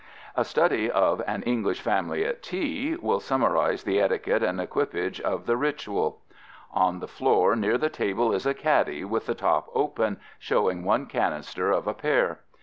A study of An English Family at Tea (frontispiece) will summarize the etiquette and equipage of the ritual On the floor near the table is a caddy with the top open, showing one canister of a pair.